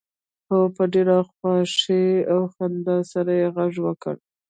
هغه په ډیره خوښۍ او خندا سره غږ وکړ